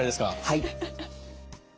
はい。